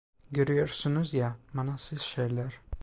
Görüyorsunuz ya, manasız şeyler…